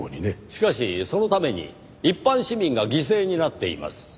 しかしそのために一般市民が犠牲になっています。